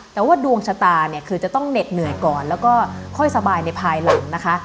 แต่ว่าดวงชะตาเนี่ยคือจะต้องเหน็ดเหนื่อยก่อนแล้วก็ค่อยสบายในภายหลังนะคะ